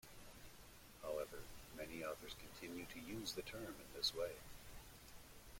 However, many authors continue to use the term in this way.